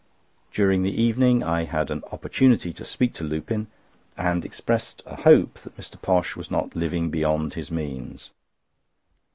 During the evening I had an opportunity to speak to Lupin, and expressed a hope that Mr. Posh was not living beyond his means.